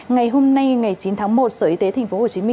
ngày hôm nay ngày chín tháng một sở y tế tp hcm